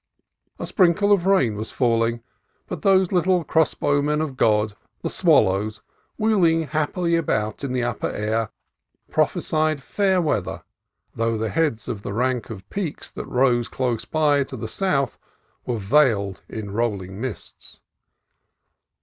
A sprinkle of rain was falling, but those little crossbowmen of God, the swallows, wheeling happily about in the upper air, prophesied fair weather, though the heads of the rank of peaks that rose close by to the south were veiled in rolling mists.